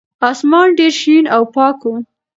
اسمان ډېر شین او پاک و.